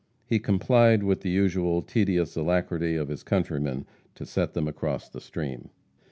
He complied with the usual tedious alacrity of his countrymen to set them across the stream.